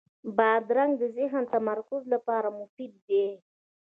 بادرنګ د ذهني تمرکز لپاره مفید دی.